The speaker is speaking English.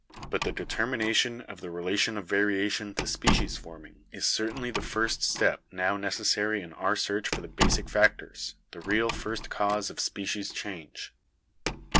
But the determination of the relation of varia tion to species forming is certainly the first step now necessary in our search for the basic factors, the real first cause of species change.